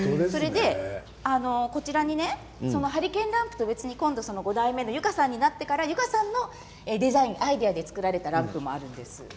こちらにハリケーンランプとは別に５代目の由加さんになってから由加さんのデザインアイデアで作られたランプもあるんです。